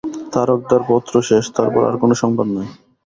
তারকদার পত্র শেষ, তারপর আর কোন সংবাদ নাই।